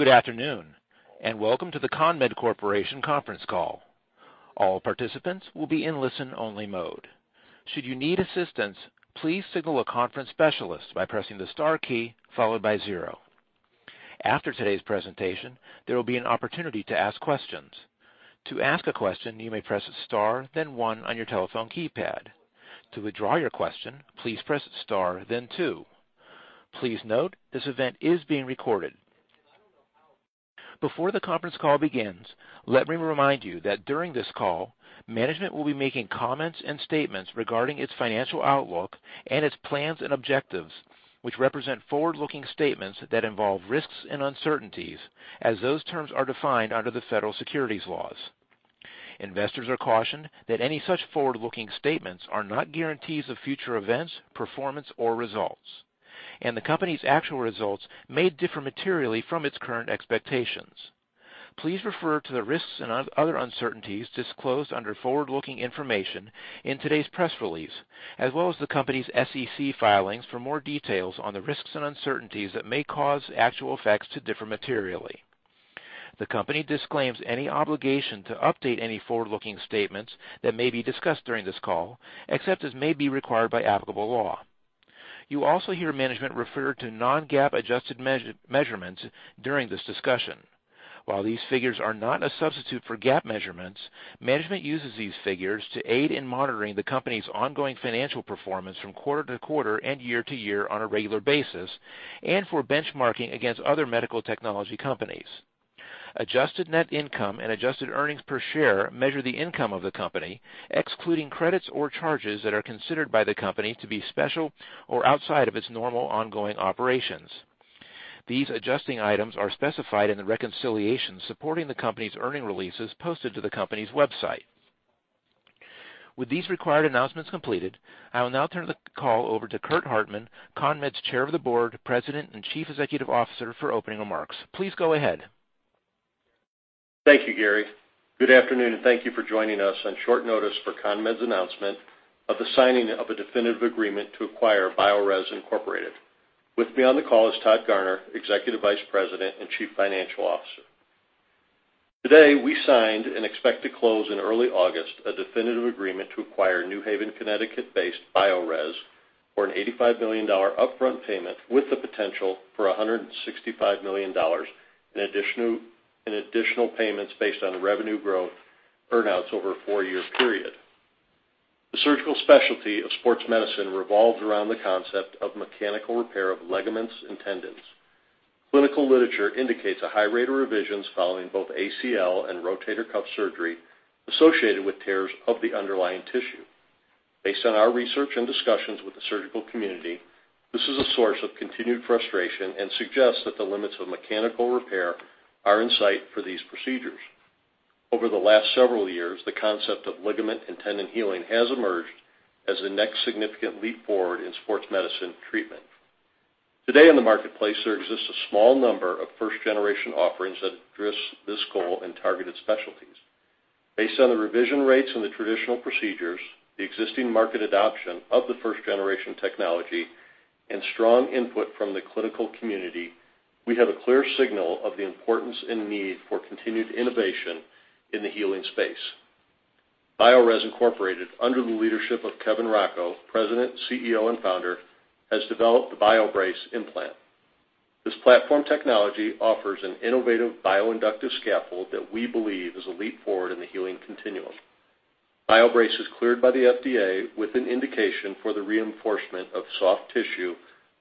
Good afternoon, and welcome to the CONMED Corporation conference call. All participants will be in listen-only mode. Should you need assistance, please signal a conference specialist by pressing the star key followed by zero. After today's presentation, there will be an opportunity to ask questions. To ask a question, you may press star then one on your telephone keypad. To withdraw your question, please press star then two. Please note, this event is being recorded. Before the conference call begins, let me remind you that during this call, management will be making comments and statements regarding its financial outlook and its plans and objectives, which represent forward-looking statements that involve risks and uncertainties as those terms are defined under the federal securities laws. Investors are cautioned that any such forward-looking statements are not guarantees of future events, performance, or results. The company's actual results may differ materially from its current expectations. Please refer to the risks and other uncertainties disclosed under forward-looking information in today's press release, as well as the company's SEC filings for more details on the risks and uncertainties that may cause actual effects to differ materially. The company disclaims any obligation to update any forward-looking statements that may be discussed during this call, except as may be required by applicable law. You also hear management refer to non-GAAP adjusted measurements during this discussion. While these figures are not a substitute for GAAP measurements, management uses these figures to aid in monitoring the company's ongoing financial performance from quarter to quarter and year to year on a regular basis, and for benchmarking against other medical technology companies. Adjusted net income and adjusted earnings per share measure the income of the company, excluding credits or charges that are considered by the company to be special or outside of its normal ongoing operations. These adjusting items are specified in the reconciliation supporting the company's earnings releases posted to the company's website. With these required announcements completed, I will now turn the call over to Curt Hartman, CONMED's Chair of the Board, President, and Chief Executive Officer, for opening remarks. Please go ahead. Thank you, Gary. Good afternoon, and thank you for joining us on short notice for CONMED's announcement of the signing of a definitive agreement to acquire Biorez, Inc. With me on the call is Todd Garner, Executive Vice President and Chief Financial Officer. Today, we signed and expect to close in early August a definitive agreement to acquire New Haven, Connecticut-based Biorez for a $85 million upfront payment, with the potential for $165 million in additional payments based on revenue growth earn-outs over a four-year period. The surgical specialty of sports medicine revolves around the concept of mechanical repair of ligaments and tendons. Clinical literature indicates a high rate of revisions following both ACL and rotator cuff surgery associated with tears of the underlying tissue. Based on our research and discussions with the surgical community, this is a source of continued frustration and suggests that the limits of mechanical repair are in sight for these procedures. Over the last several years, the concept of ligament and tendon healing has emerged as the next significant leap forward in sports medicine treatment. Today in the marketplace, there exists a small number of first-generation offerings that address this goal in targeted specialties. Based on the revision rates in the traditional procedures, the existing market adoption of the first generation technology, and strong input from the clinical community, we have a clear signal of the importance and need for continued innovation in the healing space. Biorez, Inc., under the leadership of Kevin Rocco, President, CEO, and Founder, has developed the BioBrace implant. This platform technology offers an innovative bioinductive scaffold that we believe is a leap forward in the healing continuum. BioBrace is cleared by the FDA with an indication for the reinforcement of soft tissue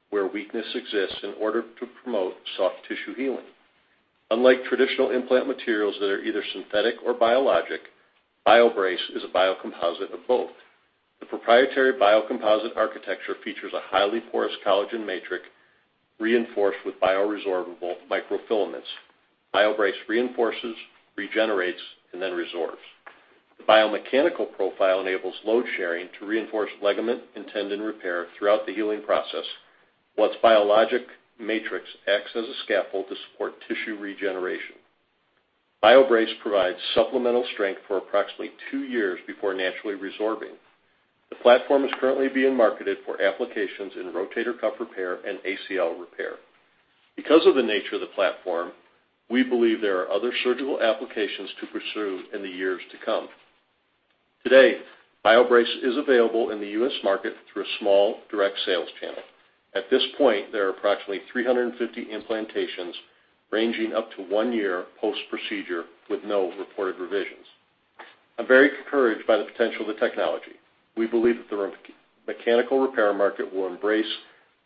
where weakness exists in order to promote soft tissue healing. Unlike traditional implant materials that are either synthetic or biologic, BioBrace is a biocomposite of both. The proprietary biocomposite architecture features a highly porous collagen matrix reinforced with bioresorbable microfilaments. BioBrace reinforces, regenerates, and then resorbs. The biomechanical profile enables load sharing to reinforce ligament and tendon repair throughout the healing process, while biologic matrix acts as a scaffold to support tissue regeneration. BioBrace provides supplemental strength for approximately two years before naturally resorbing. The platform is currently being marketed for applications in rotator cuff repair and ACL repair. Because of the nature of the platform, we believe there are other surgical applications to pursue in the years to come. Today, BioBrace is available in the U.S. market through a small direct sales channel. At this point, there are approximately 350 implantations ranging up to one year post-procedure with no reported revisions. I'm very encouraged by the potential of the technology. We believe that the mechanical repair market will embrace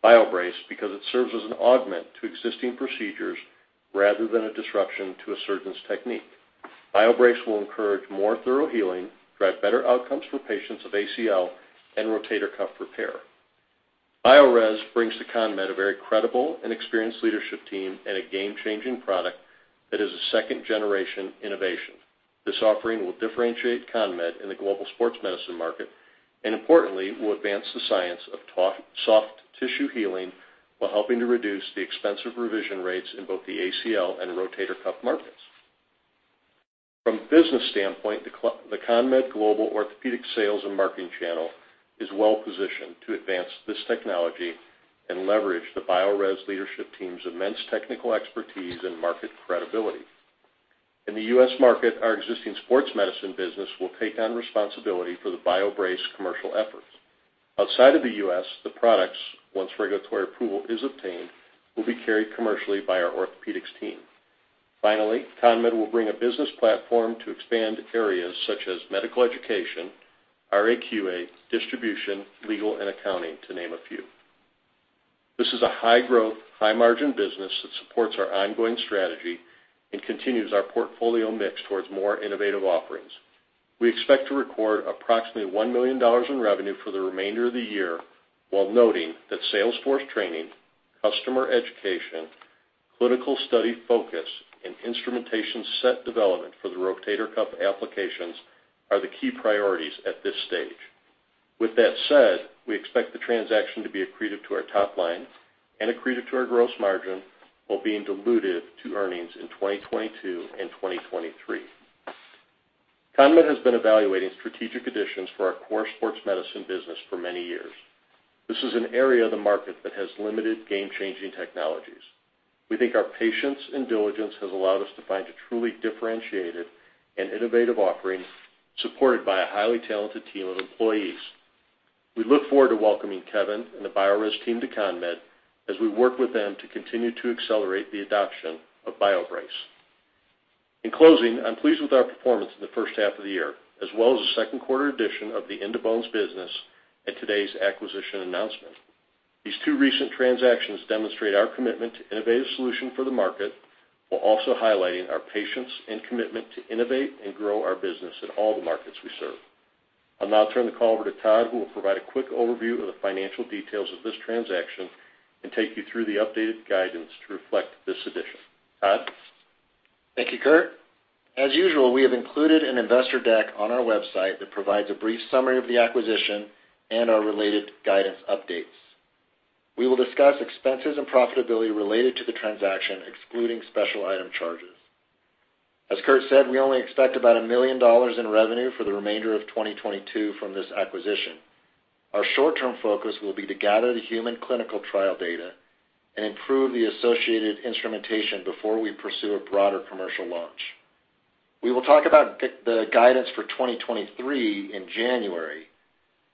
BioBrace because it serves as an augment to existing procedures rather than a disruption to a surgeon's technique. BioBrace will encourage more thorough healing, drive better outcomes for patients of ACL and rotator cuff repair. Biorez brings to CONMED a very credible and experienced leadership team and a game-changing product that is a second-generation innovation. This offering will differentiate CONMED in the global sports medicine market, and importantly, will advance the science of soft tissue healing while helping to reduce the expensive revision rates in both the ACL and rotator cuff markets. From business standpoint, the CONMED global orthopedic sales and marketing channel is well-positioned to advance this technology and leverage the Biorez leadership team's immense technical expertise and market credibility. In the U.S. market, our existing sports medicine business will take on responsibility for the BioBrace commercial efforts. Outside of the U.S., the products, once regulatory approval is obtained, will be carried commercially by our orthopedics team. Finally, CONMED will bring a business platform to expand areas such as medical education, RA/QA, distribution, legal, and accounting, to name a few. This is a high-growth, high-margin business that supports our ongoing strategy and continues our portfolio mix towards more innovative offerings. We expect to record approximately $1 million in revenue for the remainder of the year while noting that sales force training, customer education, clinical study focus, and instrumentation set development for the rotator cuff applications are the key priorities at this stage. With that said, we expect the transaction to be accretive to our top line and accretive to our gross margin while being dilutive to earnings in 2022 and 2023. CONMED has been evaluating strategic additions for our core sports medicine business for many years. This is an area of the market that has limited game-changing technologies. We think our patience and diligence has allowed us to find a truly differentiated and innovative offering supported by a highly talented team of employees. We look forward to welcoming Kevin and the Biorez team to CONMED as we work with them to continue to accelerate the adoption of BioBrace. In closing, I'm pleased with our performance in the first half of the year, as well as the second quarter addition of the In2Bones business and today's acquisition announcement. These two recent transactions demonstrate our commitment to innovative solution for the market while also highlighting our patience and commitment to innovate and grow our business in all the markets we serve. I'll now turn the call over to Todd, who will provide a quick overview of the financial details of this transaction and take you through the updated guidance to reflect this addition. Todd? Thank you, Curt. As usual, we have included an investor deck on our website that provides a brief summary of the acquisition and our related guidance updates. We will discuss expenses and profitability related to the transaction, excluding special item charges. As Curt said, we only expect about $1 million in revenue for the remainder of 2022 from this acquisition. Our short-term focus will be to gather the human clinical trial data and improve the associated instrumentation before we pursue a broader commercial launch. We will talk about the guidance for 2023 in January,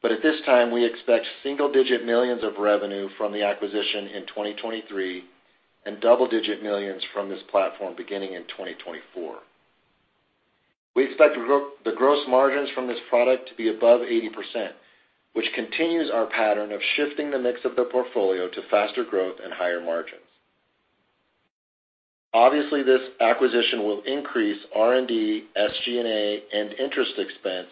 but at this time, we expect $ single-digit millions of revenue from the acquisition in 2023 and $ double-digit millions from this platform beginning in 2024. We expect the gross margins from this product to be above 80%, which continues our pattern of shifting the mix of the portfolio to faster growth and higher margins. Obviously, this acquisition will increase R&D, SG&A, and interest expense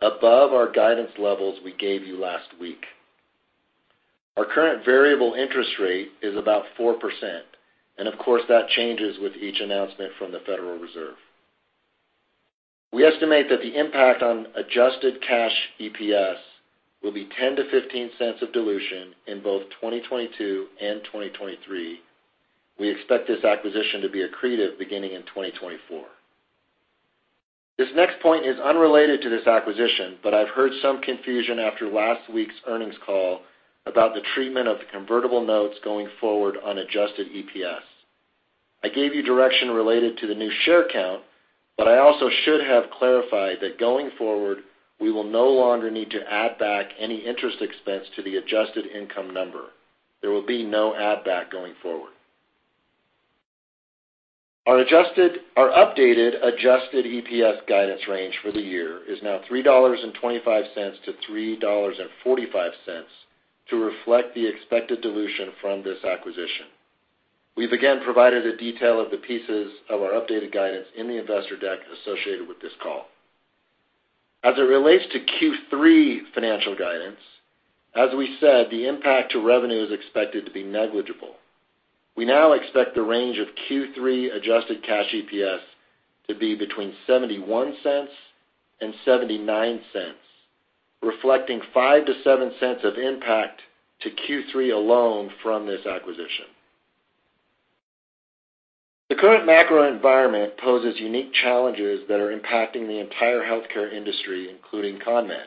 above our guidance levels we gave you last week. Our current variable interest rate is about 4%, and of course, that changes with each announcement from the Federal Reserve. We estimate that the impact on adjusted cash EPS will be $0.10-$0.15 of dilution in both 2022 and 2023. We expect this acquisition to be accretive beginning in 2024. This next point is unrelated to this acquisition, but I've heard some confusion after last week's earnings call about the treatment of the convertible notes going forward on adjusted EPS. I gave you direction related to the new share count, but I also should have clarified that going forward, we will no longer need to add back any interest expense to the adjusted income number. There will be no add back going forward. Our updated adjusted EPS guidance range for the year is now $3.25-$3.45 to reflect the expected dilution from this acquisition. We've again provided a detail of the pieces of our updated guidance in the investor deck associated with this call. As it relates to Q3 financial guidance, as we said, the impact to revenue is expected to be negligible. We now expect the range of Q3 adjusted cash EPS to be between $0.71 and $0.79, reflecting $0.05-$0.07 of impact to Q3 alone from this acquisition. The current macro environment poses unique challenges that are impacting the entire healthcare industry, including CONMED.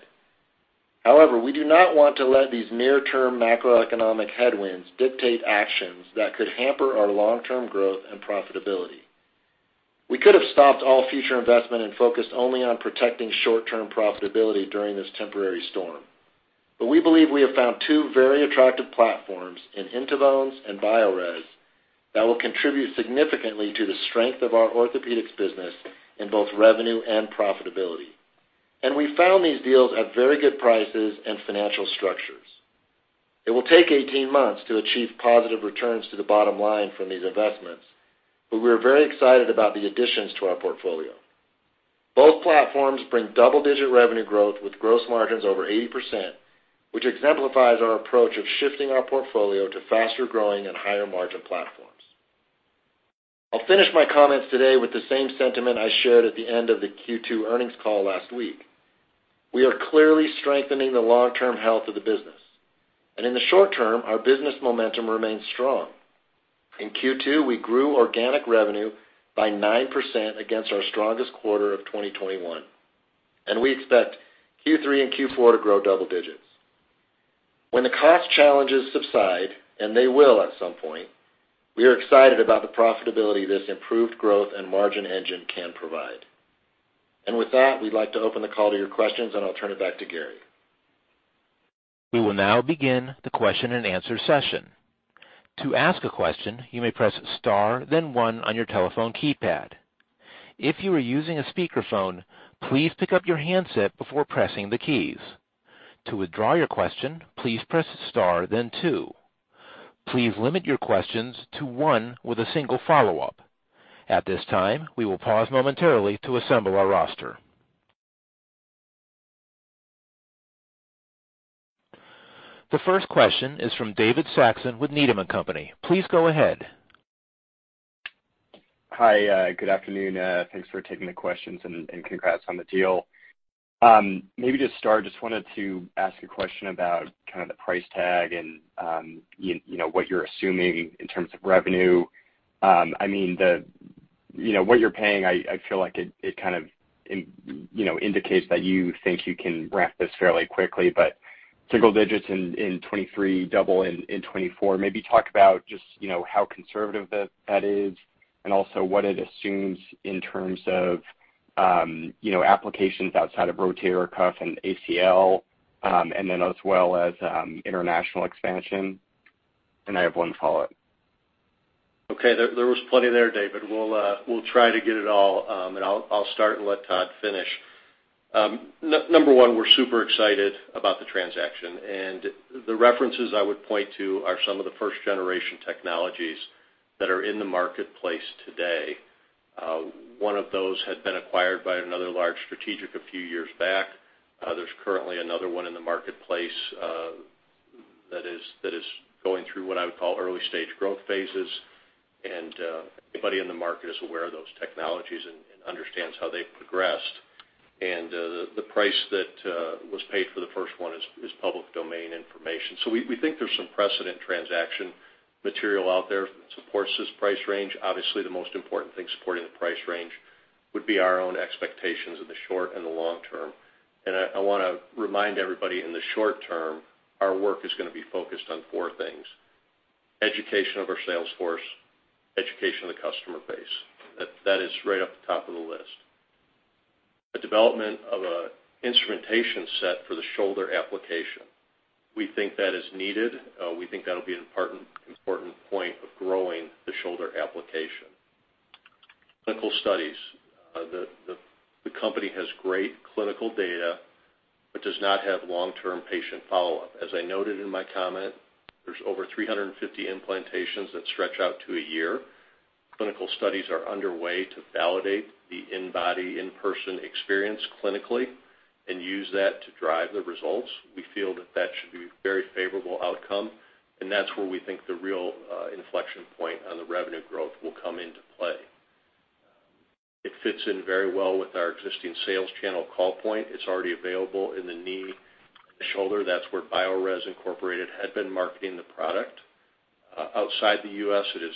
However, we do not want to let these near-term macroeconomic headwinds dictate actions that could hamper our long-term growth and profitability. We could have stopped all future investment and focused only on protecting short-term profitability during this temporary storm. We believe we have found two very attractive platforms in In2Bones and Biorez that will contribute significantly to the strength of our orthopedics business in both revenue and profitability. We found these deals at very good prices and financial structures. It will take 18 months to achieve positive returns to the bottom line from these investments, but we're very excited about the additions to our portfolio. Both platforms bring double-digit revenue growth with gross margins over 80%, which exemplifies our approach of shifting our portfolio to faster-growing and higher-margin platforms. I'll finish my comments today with the same sentiment I shared at the end of the Q2 earnings call last week. We are clearly strengthening the long-term health of the business. In the short term, our business momentum remains strong. In Q2, we grew organic revenue by 9% against our strongest quarter of 2021, and we expect Q3 and Q4 to grow double digits. When the cost challenges subside, and they will at some point, we are excited about the profitability this improved growth and margin engine can provide. With that, we'd like to open the call to your questions, and I'll turn it back to Curt. We will now begin the question-and-answer session. To ask a question, you may press star then one on your telephone keypad. If you are using a speakerphone, please pick up your handset before pressing the keys. To withdraw your question, please press star then two. Please limit your questions to one with a single follow-up. At this time, we will pause momentarily to assemble our roster. The first question is from David Saxon with Needham & Company. Please go ahead. Hi. Good afternoon. Thanks for taking the questions and congrats on the deal. Maybe just wanted to ask a question about kind of the price tag and you know what you're assuming in terms of revenue. I mean, you know what you're paying, I feel like it kind of indicates that you think you can ramp this fairly quickly, but single digits in 2023, double in 2024. Maybe talk about just you know how conservative that is and also what it assumes in terms of you know applications outside of rotator cuff and ACL and then as well as international expansion. I have one follow-up. Okay. There was plenty there, David. We'll try to get it all. I'll start and let Todd finish. Number one, we're super excited about the transaction, and the references I would point to are some of the first generation technologies that are in the marketplace today. One of those had been acquired by another large strategic a few years back. There's currently another one in the marketplace that is going through what I would call early stage growth phases. Everybody in the market is aware of those technologies and understands how they've progressed. The price that was paid for the first one is public domain information. We think there's some precedent transaction material out there that supports this price range. Obviously, the most important thing supporting the price range would be our own expectations in the short and the long term. I wanna remind everybody, in the short term, our work is gonna be focused on four things. Education of our sales force, education of the customer base. That is right off the top of the list. The development of an instrumentation set for the shoulder application. We think that is needed. We think that'll be an important point of growing the shoulder application. Clinical studies. The company has great clinical data but does not have long-term patient follow-up. As I noted in my comment, there's over 350 implantations that stretch out to a year. Clinical studies are underway to validate the in-body, in-person experience clinically and use that to drive the results. We feel that should be a very favorable outcome, and that's where we think the real inflection point on the revenue growth will come into play. It fits in very well with our existing sales channel call point. It's already available in the knee and shoulder. That's where Biorez, Inc. had been marketing the product. Outside the U.S., it is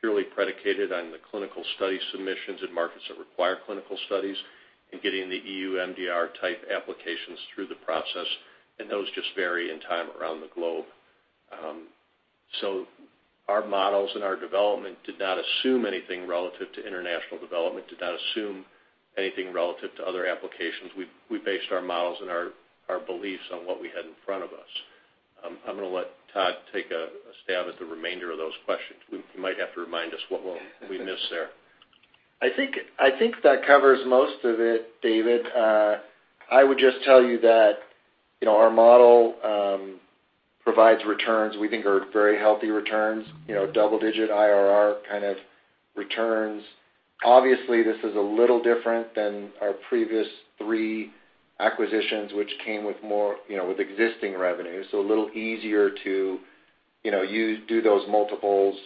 purely predicated on the clinical study submissions in markets that require clinical studies and getting the EU MDR-type applications through the process, and those just vary in time around the globe. Our models and our development did not assume anything relative to international development, did not assume anything relative to other applications. We based our models and our beliefs on what we had in front of us. I'm gonna let Todd take a stab at the remainder of those questions. You might have to remind us what we missed there. I think that covers most of it, David. I would just tell you that our model provides returns we think are very healthy returns. You know, double-digit IRR kind of returns. Obviously, this is a little different than our previous three acquisitions, which came with more existing revenue, so a little easier to do those multiples.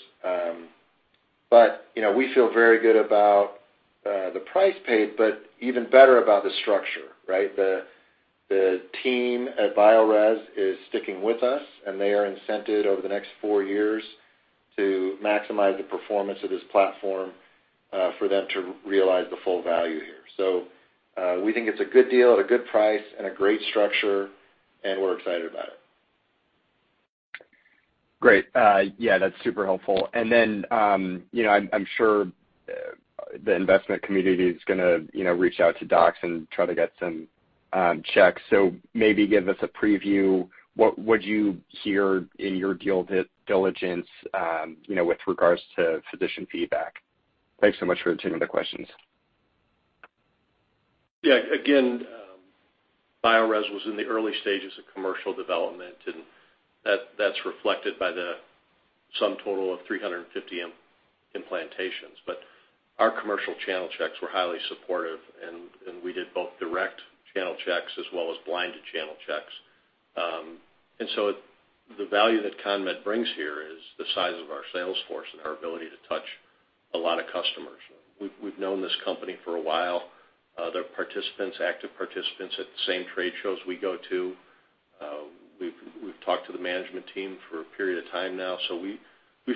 We feel very good about the price paid, but even better about the structure, right? The team at Biorez is sticking with us, and they are incented over the next four years to maximize the performance of this platform for them to realize the full value here. We think it's a good deal at a good price and a great structure, and we're excited about it. Great. Yeah, that's super helpful. Then, you know, I'm sure the investment community is gonna reach out to docs and try to get some checks. So maybe give us a preview, what would you hear in your deal diligence, you know, with regards to physician feedback? Thanks so much for entertaining the questions. Yeah. Again, Biorez was in the early stages of commercial development, and that's reflected by the sum total of 350 implantations. Our commercial channel checks were highly supportive, and we did both direct channel checks as well as blinded channel checks. The value that CONMED brings here is the size of our sales force and our ability to touch a lot of customers. We've known this company for a while. They're active participants at the same trade shows we go to. We've talked to the management team for a period of time now. We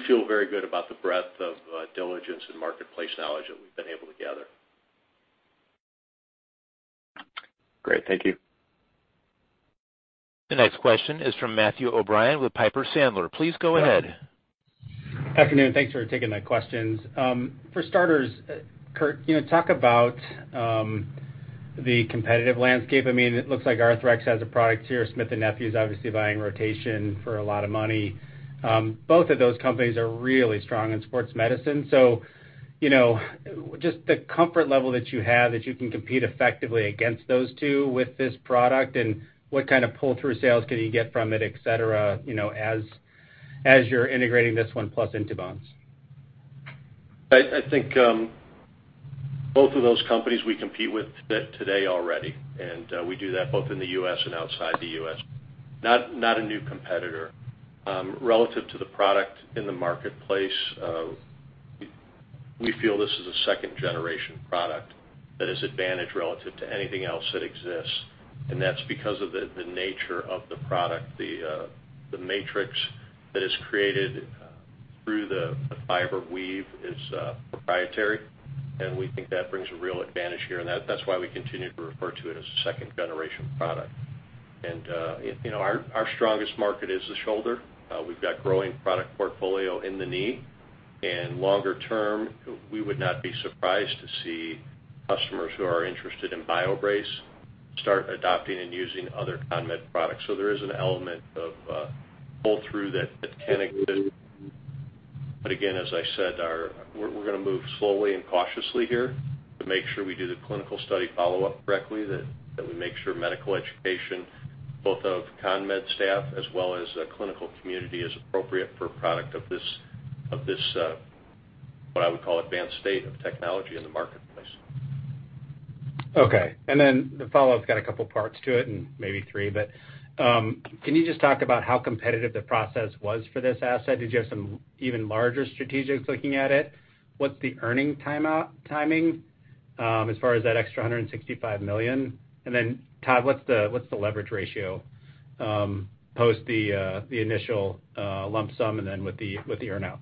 feel very good about the breadth of diligence and marketplace knowledge that we've been able to gather. Great. Thank you. The next question is from Matthew O'Brien with Piper Sandler. Please go ahead. Afternoon. Thanks for taking my questions. For starters, Curt, you know, talk about the competitive landscape. I mean, it looks like Arthrex has a product here. Smith & Nephew is obviously buying Rotation Medical for a lot of money. Both of those companies are really strong in sports medicine. You know, just the comfort level that you have that you can compete effectively against those two with this product, and what kind of pull-through sales can you get from it, et cetera, you know, as you're integrating this 1+ In2Bones? I think both of those companies we compete with today already, and we do that both in the U.S. and outside the U.S. Not a new competitor. Relative to the product in the marketplace, we feel this is a second-generation product that is advantageous relative to anything else that exists, and that's because of the nature of the product. The matrix that is created through the fiber weave is proprietary, and we think that brings a real advantage here, and that's why we continue to refer to it as a second-generation product. You know, our strongest market is the shoulder. We've got growing product portfolio in the knee. Longer term, we would not be surprised to see customers who are interested in BioBrace start adopting and using other CONMED products. There is an element of pull-through that can exist. Again, as I said, we're gonna move slowly and cautiously here to make sure we do the clinical study follow-up correctly, that we make sure medical education, both of CONMED staff as well as the clinical community, is appropriate for a product of this what I would call advanced state of technology in the marketplace. Okay. Then the follow-up's got a couple parts to it, and maybe three. But can you just talk about how competitive the process was for this asset? Did you have some even larger strategics looking at it? What's the timing as far as that extra $165 million? And then Todd, what's the leverage ratio post the initial lump sum, and then with the earn-out?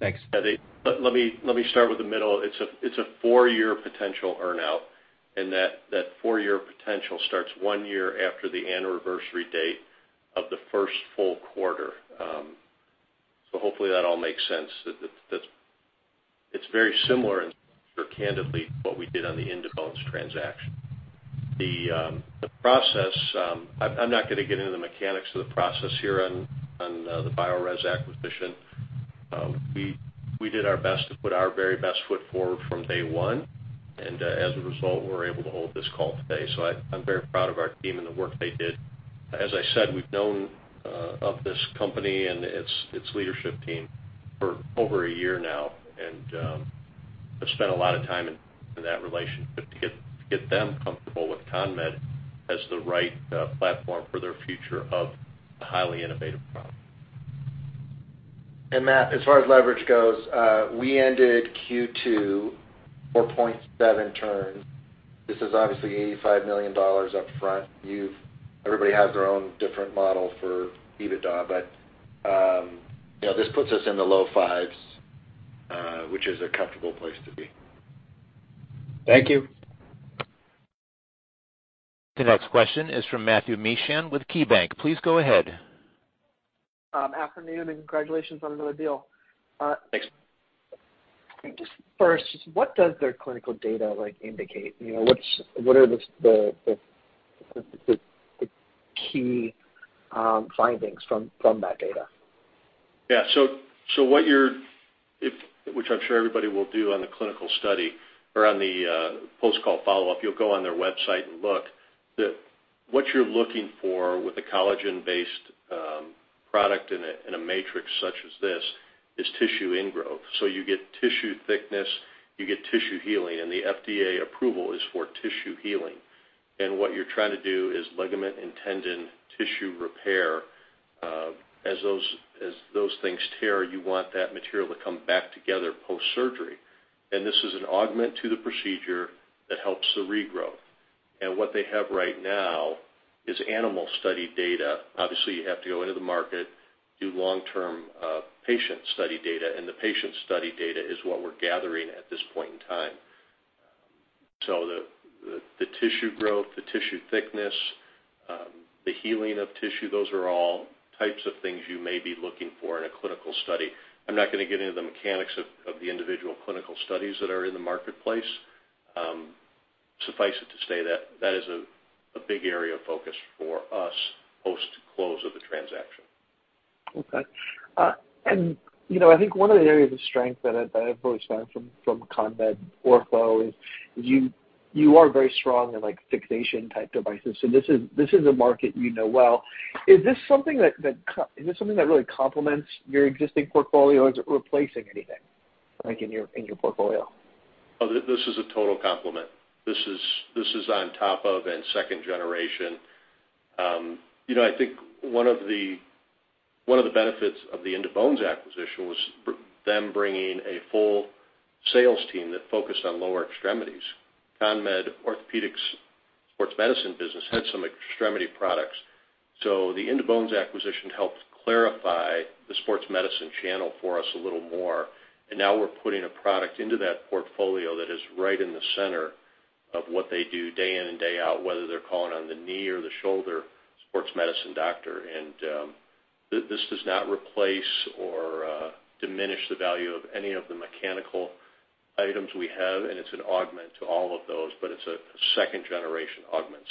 Thanks. Yeah. Let me start with the middle. It's a four-year potential earn-out, and that four-year potential starts one year after the anniversary date of the first full quarter. Hopefully, that all makes sense. It's very similar, candidly, to what we did on the In2Bones transaction. The process, I'm not gonna get into the mechanics of the process here on the Biorez acquisition. We did our best to put our very best foot forward from day one, and as a result, we're able to hold this call today. I'm very proud of our team and the work they did. As I said, we've known of this company and its leadership team for over a year now and have spent a lot of time in that relationship to get them comfortable with CONMED as the right platform for their future of a highly innovative product. Matt, as far as leverage goes, we ended Q2 4.7 turns. This is obviously $85 million up front. Everybody has their own different model for EBITDA, but, you know, this puts us in the low fives, which is a comfortable place to be. Thank you. The next question is from Matthew Mishan with KeyBank. Please go ahead. Afternoon and congratulations on another deal. Thanks. Just first, what does their clinical data, like, indicate? You know, what are the key findings from that data? Which I'm sure everybody will do on the clinical study or on the post-call follow-up, you'll go on their website and look. What you're looking for with a collagen-based product in a matrix such as this is tissue ingrowth. You get tissue thickness, you get tissue healing, and the FDA approval is for tissue healing. What you're trying to do is ligament and tendon tissue repair. As those things tear, you want that material to come back together post-surgery. This is an augment to the procedure that helps the regrowth. What they have right now is animal study data. Obviously, you have to go into the market, do long-term patient study data, and the patient study data is what we're gathering at this point in time. The tissue growth, the tissue thickness, the healing of tissue, those are all types of things you may be looking for in a clinical study. I'm not gonna get into the mechanics of the individual clinical studies that are in the marketplace. Suffice it to say that is a big area of focus for us post-close of the transaction. Okay. You know, I think one of the areas of strength that I've always found from CONMED Ortho is you are very strong in, like, fixation-type devices, so this is a market you know well. Is this something that really complements your existing portfolio, or is it replacing anything? Like in your portfolio. Oh, this is a total complement. This is on top of and second generation. You know, I think one of the benefits of the In2Bones acquisition was them bringing a full sales team that focused on lower extremities. CONMED Orthopedics sports medicine business had some extremity products. The In2Bones acquisition helped clarify the sports medicine channel for us a little more, and now we're putting a product into that portfolio that is right in the center of what they do day in and day out, whether they're calling on the knee or the shoulder sports medicine doctor. This does not replace or diminish the value of any of the mechanical items we have, and it's an augment to all of those, but it's a second generation augment.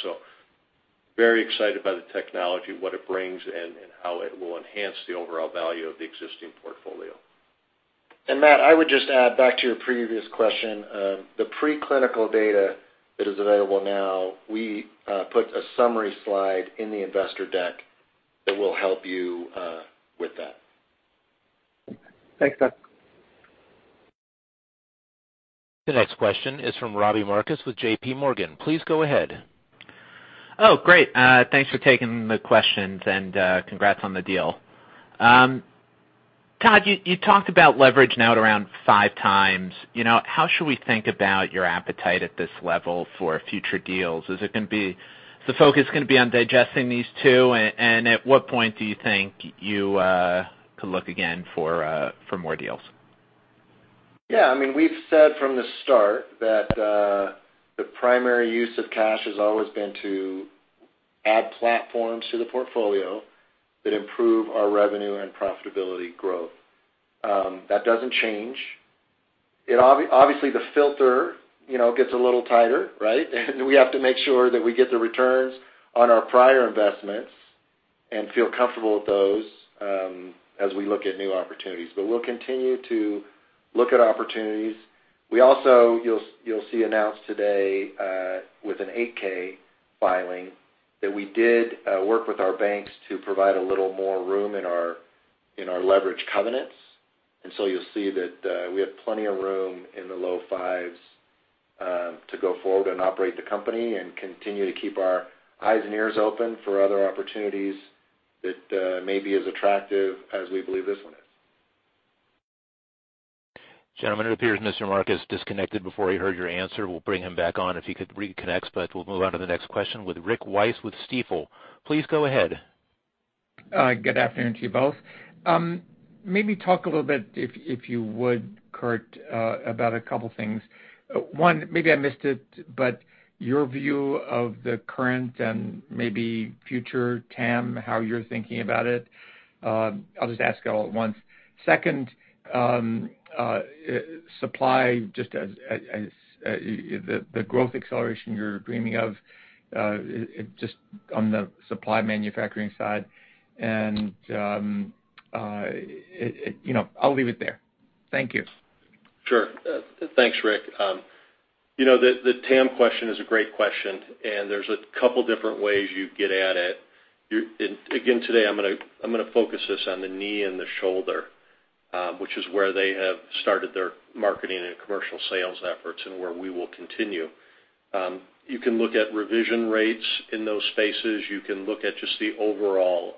Very excited by the technology, what it brings and how it will enhance the overall value of the existing portfolio. Matt, I would just add back to your previous question the preclinical data that is available now. We put a summary slide in the investor deck that will help you with that. Thanks, Todd. The next question is from Robbie Marcus with JPMorgan. Please go ahead. Oh, great. Thanks for taking the questions and, congrats on the deal. Todd, you talked about leverage now at around 5x. You know, how should we think about your appetite at this level for future deals? Is the focus gonna be on digesting these two? And at what point do you think you could look again for more deals? Yeah, I mean, we've said from the start that the primary use of cash has always been to add platforms to the portfolio that improve our revenue and profitability growth. That doesn't change. It obviously, the filter, you know, gets a little tighter, right? We have to make sure that we get the returns on our prior investments and feel comfortable with those, as we look at new opportunities. We'll continue to look at opportunities. We also, you'll see announced today, with a 8-K filing that we did, work with our banks to provide a little more room in our leverage covenants. You'll see that we have plenty of room in the low fives to go forward and operate the company and continue to keep our eyes and ears open for other opportunities that may be as attractive as we believe this one is. Gentlemen, it appears Mr. Marcus disconnected before he heard your answer. We'll bring him back on if he could reconnect, but we'll move on to the next question with Rick Wise with Stifel. Please go ahead. Good afternoon to you both. Maybe talk a little bit if you would, Curt, about a couple of things. One, maybe I missed it, but your view of the current and maybe future TAM, how you're thinking about it. I'll just ask all at once. Second, supply just as the growth acceleration you're dreaming of, just on the supply manufacturing side and, you know, I'll leave it there. Thank you. Sure. Thanks, Rick. You know, the TAM question is a great question, and there's a couple different ways you get at it. Again, today, I'm gonna focus this on the knee and the shoulder, which is where they have started their marketing and commercial sales efforts and where we will continue. You can look at revision rates in those spaces. You can look at just the overall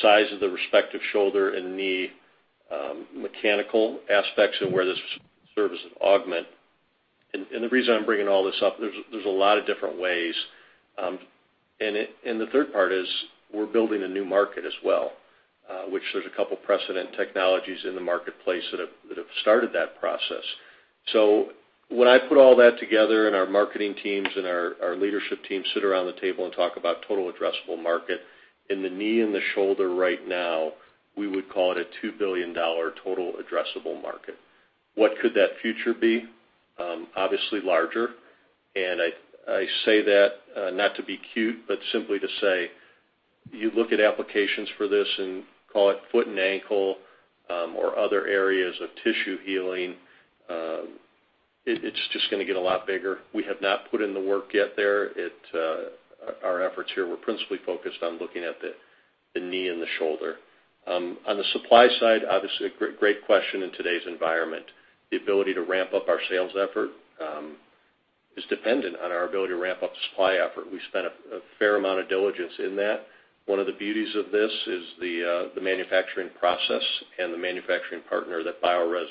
size of the respective shoulder and knee mechanical aspects and where this service is augmentation. The reason I'm bringing all this up, there's a lot of different ways. The third part is we're building a new market as well, which there's a couple precedent technologies in the marketplace that have started that process. When I put all that together and our marketing teams and our leadership team sit around the table and talk about total addressable market, in the knee and the shoulder right now, we would call it a $2 billion total addressable market. What could that future be? Obviously larger. I say that not to be cute, but simply to say you look at applications for this and call it foot and ankle or other areas of tissue healing. It's just gonna get a lot bigger. We have not put in the work yet there. Our efforts here were principally focused on looking at the knee and the shoulder. On the supply side, obviously a great question in today's environment. The ability to ramp up our sales effort, is dependent on our ability to ramp up the supply effort. We spent a fair amount of diligence in that. One of the beauties of this is the manufacturing process and the manufacturing partner that Biorez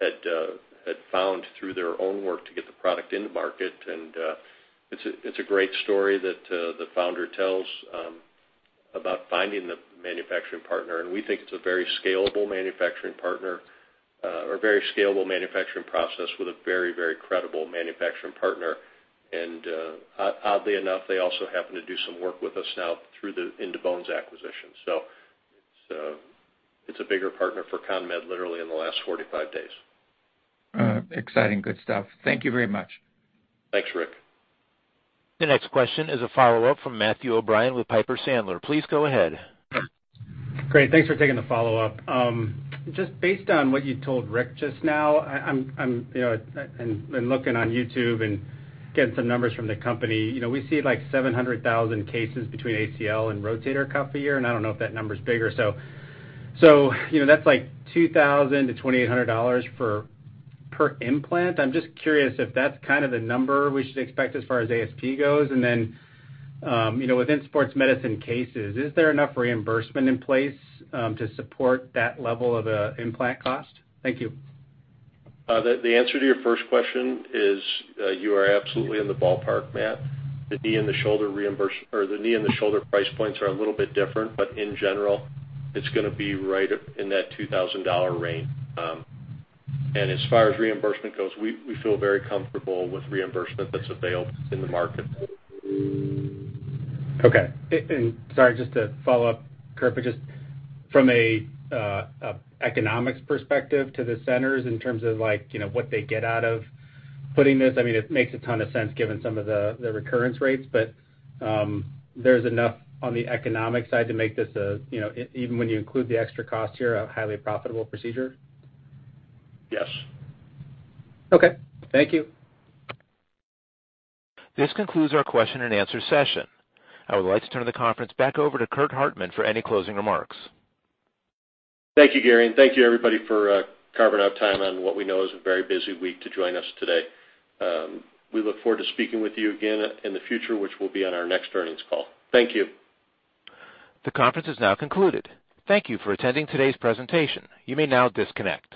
had found through their own work to get the product into market. It's a great story that the founder tells about finding the manufacturing partner. We think it's a very scalable manufacturing partner, or very scalable manufacturing process with a very, very credible manufacturing partner. Oddly enough, they also happen to do some work with us now through the In2Bones acquisition. It's a bigger partner for CONMED, literally in the last 45 days. All right. Exciting good stuff. Thank you very much. Thanks, Rick. The next question is a follow-up from Matthew O'Brien with Piper Sandler. Please go ahead. Great. Thanks for taking the follow-up. Just based on what you told Rick just now, I'm, you know, looking on YouTube and getting some numbers from the company, you know, we see like 700,000 cases between ACL and rotator cuff a year, and I don't know if that number is bigger. You know, that's like $2,000-$2,800 for per implant. I'm just curious if that's kind of the number we should expect as far as ASP goes. Then, you know, within sports medicine cases, is there enough reimbursement in place to support that level of implant cost? Thank you. The answer to your first question is you are absolutely in the ballpark, Matt. The knee and the shoulder price points are a little bit different, but in general, it's gonna be right up in that $2000 range. As far as reimbursement goes, we feel very comfortable with reimbursement that's available in the market. Okay, sorry, just to follow up, Curt, but just from a economics perspective to the centers in terms of like, you know, what they get out of putting this, I mean, it makes a ton of sense given some of the recurrence rates, but there's enough on the economic side to make this a, you know, even when you include the extra cost here, a highly profitable procedure? Yes. Okay. Thank you. This concludes our question-and-answer session. I would like to turn the conference back over to Curt Hartman for any closing remarks. Thank you, Gary, and thank you, everybody, for carving out time on what we know is a very busy week to join us today. We look forward to speaking with you again in the future, which will be on our next earnings call. Thank you. The conference is now concluded. Thank you for attending today's presentation. You may now disconnect.